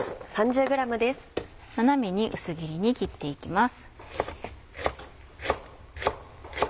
斜めに薄切りに切っていきます。